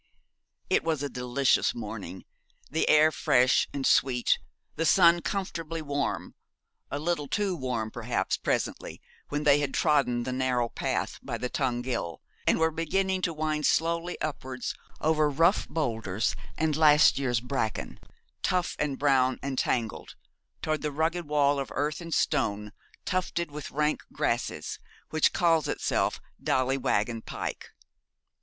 It was a delicious morning, the air fresh and sweet, the sun comfortably warm, a little too warm, perhaps, presently, when they had trodden the narrow path by the Tongue Ghyll, and were beginning to wind slowly upwards over rough boulders and last year's bracken, tough and brown and tangled, towards that rugged wall of earth and stone tufted with rank grasses, which calls itself Dolly Waggon Pike.